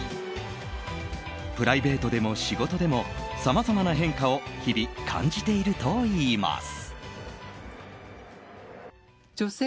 プライベートでも仕事でもさまざまな変化を日々、感じているといいます。